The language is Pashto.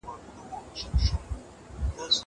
زه اجازه لرم چي سبا ته فکر وکړم!!